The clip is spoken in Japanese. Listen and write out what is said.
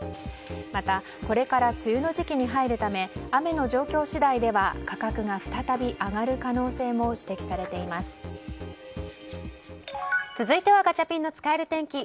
また、これから梅雨の時期に入るため雨の状況次第では価格が再び上がる可能性も続いてはガチャピンの使える天気。